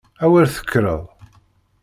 A wer tekkreḍ!